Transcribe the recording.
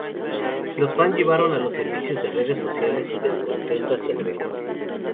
Los fans llevaron a los servicios de redes sociales su descontento hacia el evento.